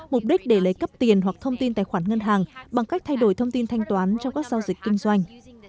mục đích để lấy cắp tiền hoặc thông tin tài khoản ngân hàng bằng cách thay đổi thông tin thanh toán trong các giao dịch kinh doanh